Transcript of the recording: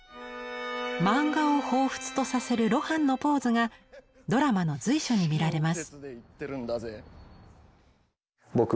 漫画を彷彿とさせる露伴のポーズがドラマの随所に見られます。